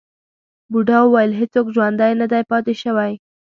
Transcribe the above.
بوډا وویل هیڅوک ژوندی نه دی پاتې شوی.